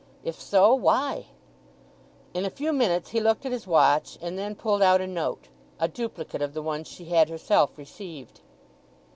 If so, why? In a few minutes he looked at his watch, and then pulled out a note, a duplicate of the one she had herself received.